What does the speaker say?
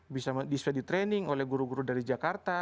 bisa di training oleh guru guru dari jakarta